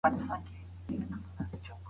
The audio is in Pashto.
هيله بايد هېڅکله له لاسه ورنکړو.